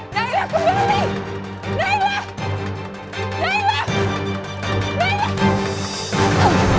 nailah nailah kembali